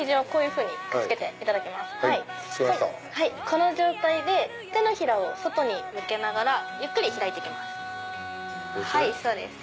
この状態で手のひらを外に向けながらゆっくり開いて行きます。